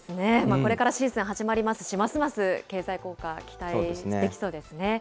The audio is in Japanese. これからシーズン始まりますし、ますます経済効果、期待できそうですね。